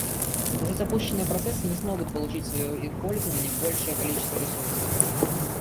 Уже запущенные процессы не смогут получить в свое пользование большее количество ресурсов